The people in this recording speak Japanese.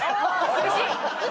厳しい。